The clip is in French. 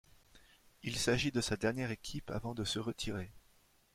Il s'agit de sa dernière équipe avant de se retirer.